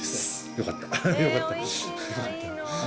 よかった。